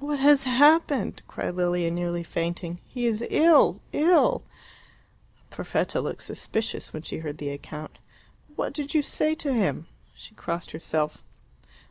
"What has happened?" cried Lilia, nearly fainting. "He is ill ill." Perfetta looked suspicious when she heard the account. "What did you say to him?" She crossed herself.